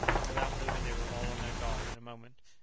Without moving they were all on their guard in a moment.